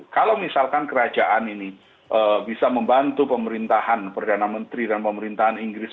kalau misalkan kerajaan ini bisa membantu pemerintahan perdana menteri dan pemerintahan inggris